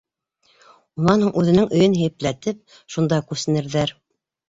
Унан һуң үҙенең өйөн һипләтеп, шунда күсенерҙәр.